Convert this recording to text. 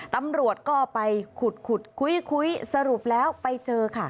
ตำรวจก็ไปขุดคุยสรุปแล้วไปเจอค่ะ